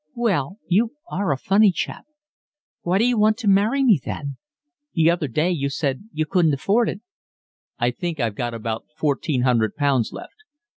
"Well, you are a funny chap. Why d'you want to marry me then? The other day you said you couldn't afford it." "I think I've got about fourteen hundred pounds left.